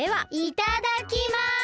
いただきます。